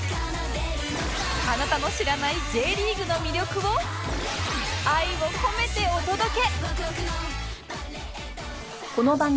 あなたの知らない Ｊ リーグの魅力を愛を込めてお届け！